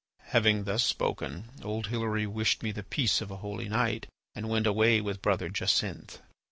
Having thus spoken, old Hilary wished me the peace of a holy night and went away with Brother Jacinth.